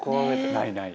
ないない。